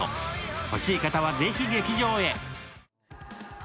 欲しい方は、ぜひ劇場へ。